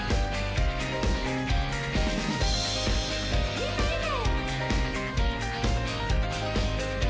みんな、いいね！